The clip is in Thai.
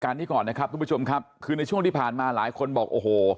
นี้ก่อนนะครับทุกผู้ชมครับคือในช่วงที่ผ่านมาหลายคนบอกโอ้โห